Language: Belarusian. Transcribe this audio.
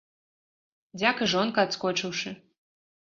Дзяк і жонка адскочыўшы.